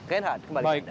reinhard kembali ke anda